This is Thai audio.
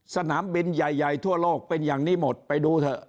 สนามบินใหญ่ทั่วโลกเป็นอย่างนี้หมดไปดูเถอะ